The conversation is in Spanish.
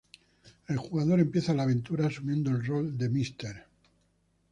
El jugador empieza la aventura asumiendo el rol de Mr.